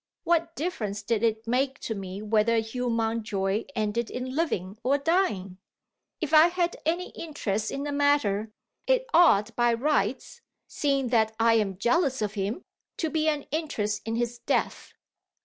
What difference did it make to me whether Hugh Mountjoy ended in living or dying? If I had any interest in the matter, it ought by rights (seeing that I am jealous of him) to be an interest in his death.